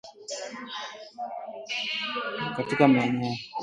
wagombezi ambao wako na umaarufu katika maeneo yao